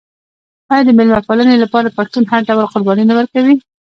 آیا د میلمه پالنې لپاره پښتون هر ډول قرباني نه ورکوي؟